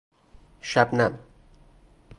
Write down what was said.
شبنم